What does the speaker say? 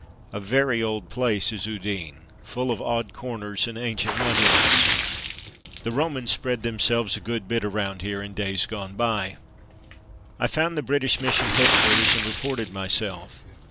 A very old place is Udine, full of odd corners and ancient monuments. The Romans spread themselves a good bit around here in days gone by. I found British Mis sion headquarters and reported myself.